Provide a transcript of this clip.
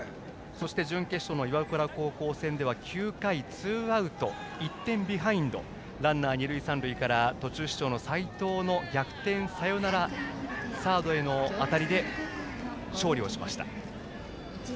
準決勝の岩倉高校戦では９回、ツーアウト１点ビハインドランナー二塁三塁から途中出場の選手から逆転サヨナラの当たりで勝利しました。